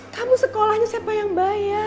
kamu sekolahnya siapa yang bayang